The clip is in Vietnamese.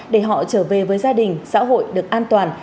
để họ trở về với gia đình xã hội được an toàn